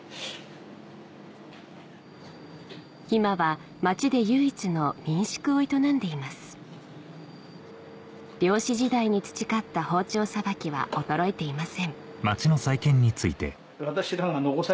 今は町で唯一の民宿を営んでいます漁師時代に培った包丁さばきは衰えていません